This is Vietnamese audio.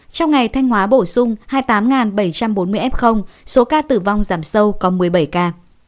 trong ngày thanh hóa bổ sung hai mươi tám bảy trăm bốn mươi f số ca tử vong giảm sâu còn một mươi bảy ca